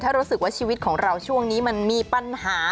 ถ้ารู้สึกว่าชีวิตของเราช่วงนี้มันมีปัญหา